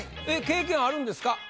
えっ経験あるんですか？